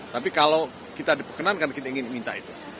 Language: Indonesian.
tapi kalau kita diperkenankan kita ingin minta itu